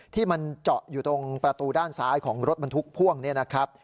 ที่มันเจาะอยู่ตรงประตูด้านซ้ายของรถบรรทุกพ่วงเนี่ยนะครับ